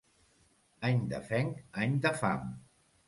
Any de fenc, any de fam.